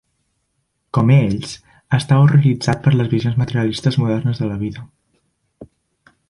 Com ells, estava horroritzat per les visions materialistes modernes de la vida.